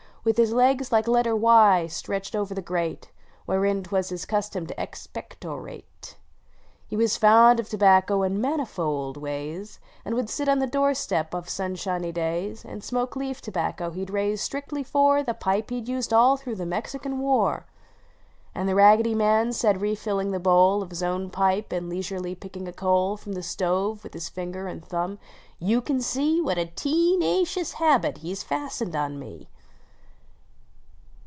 " \Yith his legs like a letter Y stretched o er the grate \Yherein twas his custom to ex pec tor ate. " Tie was fond of tobacco in manifold ways, And would sit on the door step, of sunshiny days, " And smoke leaf tobacco he d raised strictly for The pipe he d used all through The Mexican War. 161 GRANDFATHER SQUEERS And The Raggedy Alan said, refilling the bowl Of his own pipe and leisurely picking a coal From the stove with his finger and thumb, " You can see What a tee nacious habit he s fastened on me